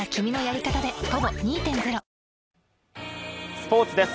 スポーツです。